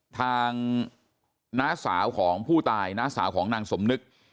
น้าสาวของผู้ตายน้าสาวของนางสมนึก